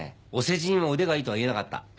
お世辞にも腕がいいとは言えなかった。